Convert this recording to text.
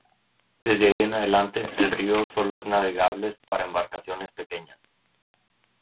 Desde allí en adelante, el río solo es navegables para embarcaciones pequeñas.